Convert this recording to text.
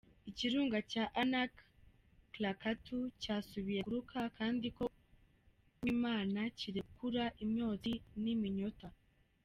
Ikirunga ca Anak Krakatau casubiye kuruka kandi ku w'Imana, kirekura imyotsi n'iminyota.